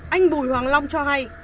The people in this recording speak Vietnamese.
anh bùi hoàng long cho hay